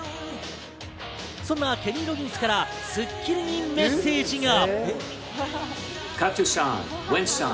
そんなケニー・ロギンスから『スッキリ』にメッセージが。